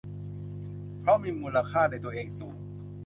เพราะมีมูลค่าในตัวเองสูง